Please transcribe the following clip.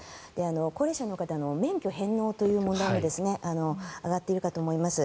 高齢者の方の免許返納という問題が上がっているかと思います。